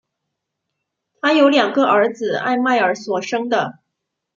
她有两个儿子艾麦尔所生的。